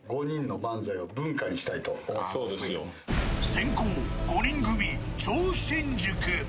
先攻、５人組超新塾。